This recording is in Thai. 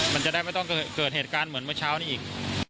มันจะได้ไม่ต้องเกิดเหตุการณ์เหมือนเมื่อเช้านี้อีก